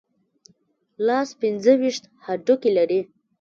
لاس پنځه ویشت هډوکي لري.